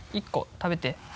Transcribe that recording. １個食べて。